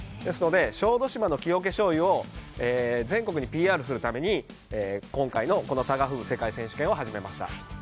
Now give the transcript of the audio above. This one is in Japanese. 小豆島の木おけしょうゆを全国にＰＲするためにタガフープ世界選手権を始めました。